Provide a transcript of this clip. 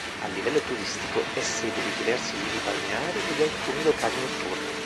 A livello turistico è sede di diversi lidi balneari e di alcuni locali notturni.